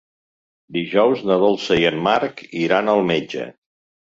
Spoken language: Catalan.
Dijous na Dolça i en Marc iran al metge.